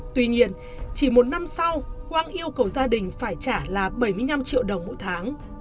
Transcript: tuy nhiên chỉ một năm sau quang yêu cầu gia đình phải trả là bảy mươi năm triệu đồng mỗi tháng